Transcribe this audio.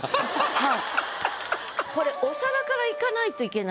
はい。